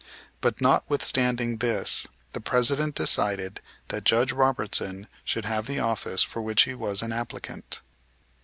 But, notwithstanding this, the President decided that Judge Robertson should have the office for which he was an applicant.